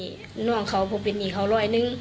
หนู้ของเขาผมเป็นอยี่ของเข้าโรยนึง